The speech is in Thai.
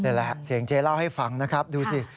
นี่แหละเสียงเจ๊เล่าให้ฟังนะครับดูสิ